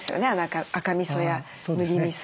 赤みそや麦みそ